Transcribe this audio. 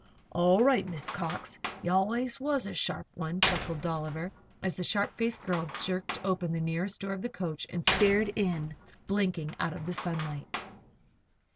"All right, Miss Cox. Ye allus was a sharp one," chuckled Dolliver, as the sharp faced girl jerked open the nearest door of the coach and stared in, blinking, out of the sunlight.